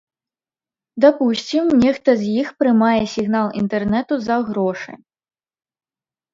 Дапусцім, нехта з іх прымае сігнал інтэрнэту за грошы.